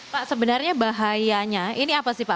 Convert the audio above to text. pak sebenarnya bahayanya ini apa sih pak